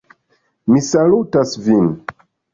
Mi salutas vin!